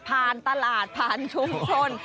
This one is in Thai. ผ่านตลาดผ่านชุมชน